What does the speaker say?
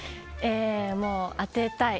もう当てたい。